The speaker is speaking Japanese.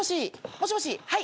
もしもしはい。